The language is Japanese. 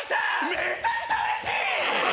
めちゃくちゃうれしい！